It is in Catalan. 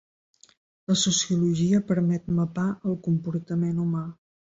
La sociologia permet mapar el comportament humà.